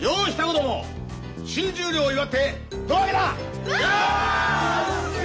ども新十両を祝って胴上げだ！